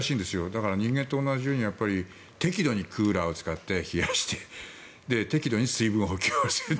だから、人間と同じように適度にクーラーを使って冷やして適度に水分補給をする。